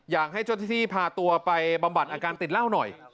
อยากให้เจ้าหน้าที่พาตัวไปบำบัดอาการติดเหล้าหน่อย